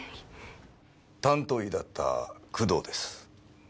担当医だった工藤です。